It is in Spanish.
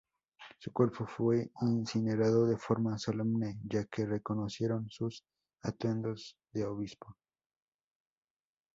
Su cuerpo fue incinerado de forma solemne ya que reconocieron sus atuendos de obispo.